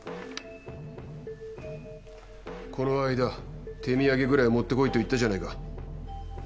この間手土産ぐらい持ってこいと言ったじゃないか。